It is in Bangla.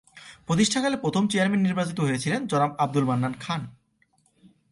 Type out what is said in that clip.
প্রতিষ্ঠাকালে প্রথম চেয়ারম্যান নির্বাচিত হয়েছিল জনাব আব্দুল মান্নান খান।